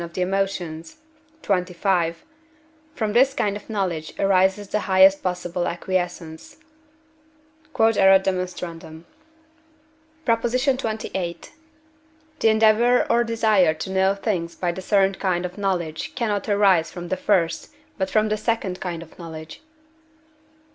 of the Emotions, xxv.), from this kind of knowledge arises the highest possible acquiescence. Q.E.D. PROP. XXVIII. The endeavour or desire to know things by the third kind of knowledge cannot arise from the first, but from the second kind of knowledge.